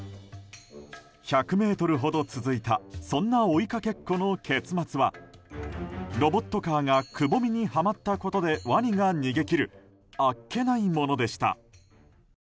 １００ｍほど続いたそんな追いかけっこの結末はロボットカーがくぼみにはまったことでワニが逃げ切るあっけないものでした。